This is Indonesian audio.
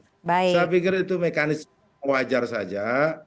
saya pikir itu mekanisme wajar saja